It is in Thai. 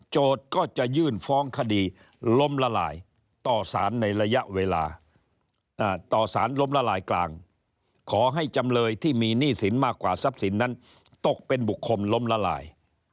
ก็จะยื่นฟ้องคดีล้มละลายต่อสารในระยะเวลาต่อสารล้มละลายกลางขอให้จำเลยที่มีหนี้สินมากกว่าทรัพย์สินนั้นตกเป็นบุคคลล้มละลาย